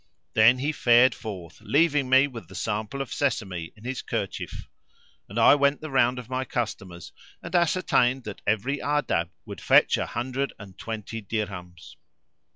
Then he fared forth leaving with me the sample of sesame in his kerchief; and I went the round of my customers and ascertained that every Ardabb would fetch an hundred and twenty dirhams.